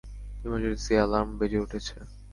Emergency alarm বেজে উঠেছে।